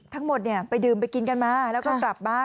ทั้งหมดเนี่ยไปดื่มไปกินกันมาแล้วก็กลับบ้าน